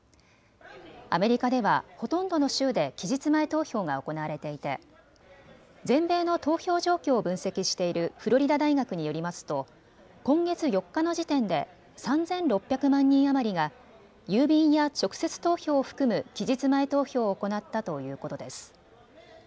アメリカでは、ほとんどの州で期日前投票が行われていて全米の投票状況を分析しているフロリダ大学によりますと今月４日の時点で３６００万人余りが郵便や直接投票を含む期日前投票を行ったということです。